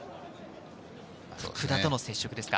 福田との接触ですか？